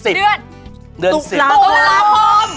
ตุ๊กลาคม